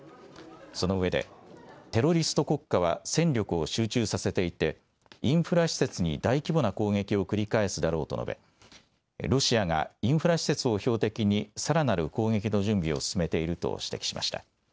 その上で、テロリスト国家は戦力を集中させていて、インフラ施設に大規模な攻撃を繰り返すだろうと述べ、ロシアがインフラ施設を標的にさらなる攻撃の準備を進めていると指摘しました。